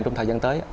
trong thời gian tới